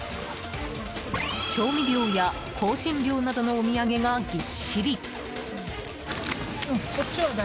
調味料や香辛料などのお土産がぎっしり。